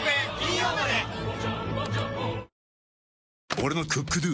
俺の「ＣｏｏｋＤｏ」！